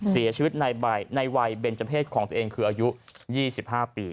เสียชีวิตในวัยเบนเจอร์เพศของตัวเองคืออายุ๒๕ปี